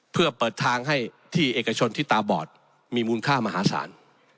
เพื่อเปิดทางให้ที่เอกชนที่ตาบอดมีมูลค่ามหาศาล